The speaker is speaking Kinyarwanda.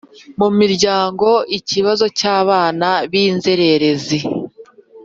Mu miryango ikibazo cy abana b inzererezi